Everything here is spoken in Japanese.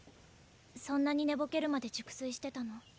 そんなに寝ぼけるまで熟睡してたの？